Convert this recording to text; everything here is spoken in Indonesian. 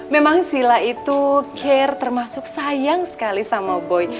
memang sila itu care termasuk sayang sekali sama boy